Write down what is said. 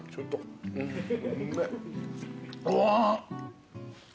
うわ。